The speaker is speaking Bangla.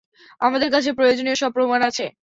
আমাদের কাছে প্রয়োজনীয় সব প্রমাণ আছে।